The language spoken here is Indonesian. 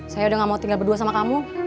saya udah gak mau tinggal berdua sama kamu